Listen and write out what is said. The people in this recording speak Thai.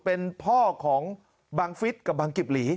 เป็นพ่อของบังฟิศกับบังกิบหลี